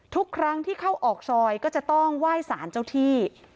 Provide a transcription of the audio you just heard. ทุกครั้งที่เข้าออกซอยก็จะต้องไหว้สารเจ้าที่